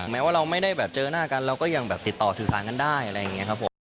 แม้ว่าเราไม่ได้เจอหน้ากันเราก็ยังติดต่อสื่อสารกันได้